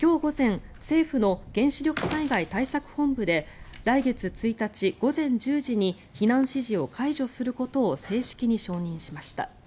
今日午前政府の原子力災害対策本部で来月１日午前１０時に避難指示を解除することを正式に承認しました。